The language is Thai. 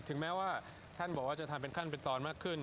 แม้ว่าท่านบอกว่าจะทำเป็นขั้นเป็นตอนมากขึ้น